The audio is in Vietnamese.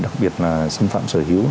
đặc biệt là xâm phạm sở hữu